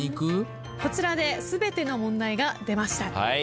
こちらで全ての問題が出ました。